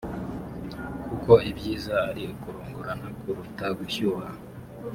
kuko ibyiza ari ukurongorana kuruta gushyuha